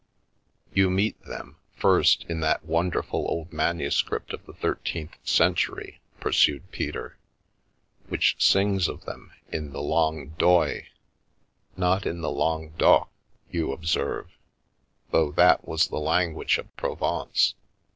" You meet them, first, in that wonderful old manu script of the thirteenth century," pursued Peter, " which sings of them in the Langue d'Oil. Not in the Langue d'Oc, you observe, though that was the language of Provence.